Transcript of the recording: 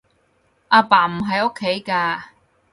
阿爸唔喺屋企㗎